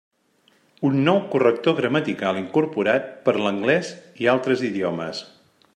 Un nou corrector gramatical incorporat per a l'anglès i altres idiomes.